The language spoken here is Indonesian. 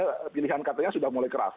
karena pilihan katanya sudah mulai keras